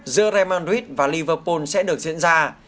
giữa real madrid và liverpool sẽ được diễn ra